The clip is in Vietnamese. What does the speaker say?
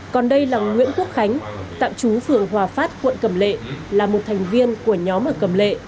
còn đây là nguyễn quốc khánh tạm trú phường hòa phát quận cầm lệ là một thành viên của nhóm ở cầm lệ